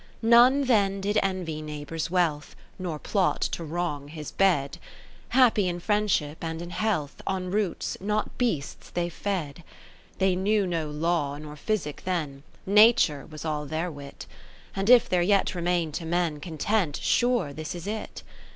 None then did envy neighbour's wealth, Nor plot to wrong his bed : Happy in friendship and in health, On roots, not beasts, they fed. 20 They knew no Law nor Physic then, Nature was all their Wit. And if there yet remain to men Content, sure this is it.